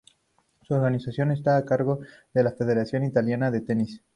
Su organización está a cargo de la Federación Italiana de Tenis.